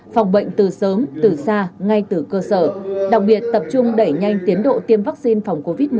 phòng bệnh từ sớm từ xa ngay từ cơ sở đặc biệt tập trung đẩy nhanh tiến độ tiêm vaccine phòng covid một mươi chín